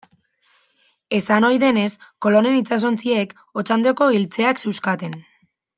Esan ohi denez, Kolonen itsasontziek Otxandioko iltzeak zeuzkaten.